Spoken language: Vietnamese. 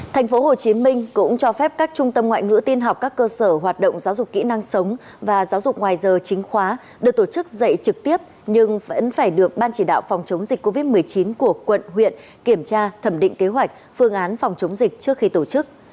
tp hcm cũng cho phép các trung tâm ngoại ngữ tin học các cơ sở hoạt động giáo dục kỹ năng sống và giáo dục ngoài giờ chính khóa được tổ chức dạy trực tiếp nhưng vẫn phải được ban chỉ đạo phòng chống dịch covid một mươi chín của quận huyện kiểm tra thẩm định kế hoạch phương án phòng chống dịch trước khi tổ chức